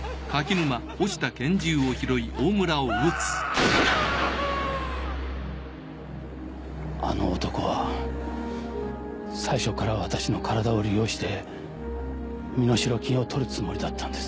あぁっ！あぁっ！あの男は最初から私の体を利用して身代金を取るつもりだったんです。